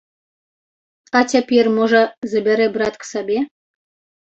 А цяпер, можа, забярэ брат к сабе.